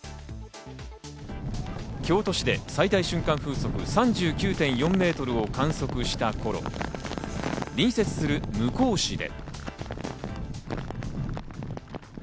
京都市で最大瞬間風速３９．４メートルを観測した頃、隣接する向日市で。